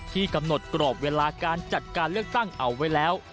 กำหนดกรอบเวลาการจัดการเลือกตั้งเอาไว้แล้ว